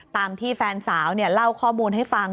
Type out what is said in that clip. ตามที่แฟนสาวเล่าข้อมูลให้ฟัง